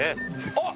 あっ！